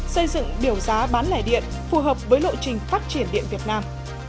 xây dựng biểu giá bán lẻ điện phù hợp với lộ trình phát triển điện việt nam